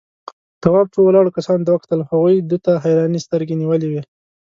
تواب څو ولاړو کسانو ته وکتل، هغوی ده ته حيرانې سترگې نيولې وې.